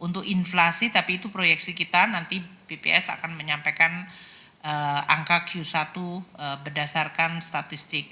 untuk inflasi tapi itu proyeksi kita nanti bps akan menyampaikan angka q satu berdasarkan statistik